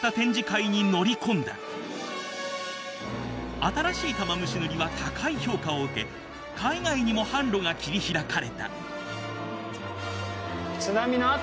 新しい玉虫塗は高い評価を受け海外にも販路が切り開かれた。